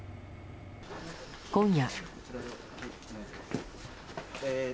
今夜。